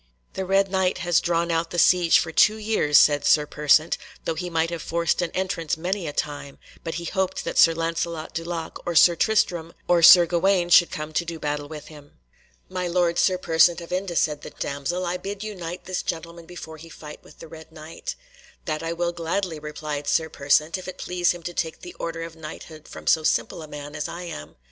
"The Red Knight has drawn out the siege for two years," said Sir Persant, "though he might have forced an entrance many a time, but he hoped that Sir Lancelot du Lake or Sir Tristram or Sir Gawaine should come to do battle with him." "My Lord Sir Persant of Inde," said the damsel, "I bid you knight this gentleman before he fight with the Red Knight." "That I will gladly," replied Sir Persant, "if it please him to take the order of knighthood from so simple a man as I am."